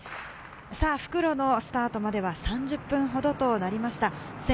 復路のスタートまでは３０分ほどとなりました。